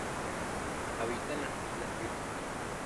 Habita en las Islas Vírgenes.